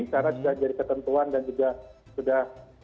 karena sudah jadi ketentuan dan juga sudah